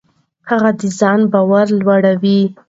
هغه د ځان باور لوړوي.